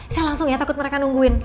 saya langsung ya takut mereka nungguin